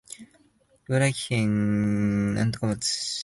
茨城県五霞町